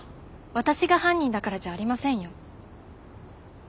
私が犯人だからじゃありませんよ。